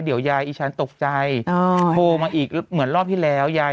เดี๋ยวยายอีฉันตกใจโทรมาอีกเหมือนรอบที่แล้วยาย